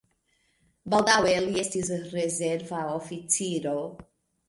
Baldaŭe li estis rezerva oficiro.